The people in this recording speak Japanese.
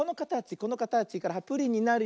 このかたちからプリンになるよ。